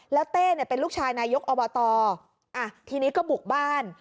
แล้วเต้เนี่ยเป็นลูกชายนายกอบตทีนี้ก็บุกบ้าน